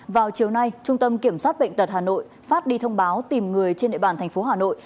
vào chiều nay trung tâm kiểm soát bệnh tật hà nội phát đi thông báo tìm người trên địa bàn thành phố hà nội